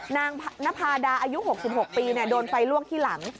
นางนภาดาอายุ๖๖ปีโดนไฟลวกที่หลัง